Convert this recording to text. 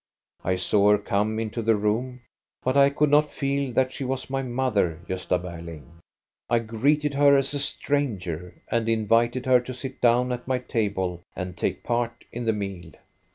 I saw her come into the room, but I could not feel that she was my mother, Gosta Berling. I greeted her as a stranger, and invited her to sit down at my table and take part in the meal.